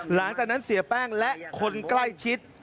หลังจากนั้นเสียแป้งและคนใกล้ชิด